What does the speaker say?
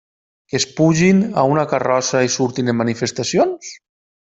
Que es pugin a una carrossa i surtin en manifestacions?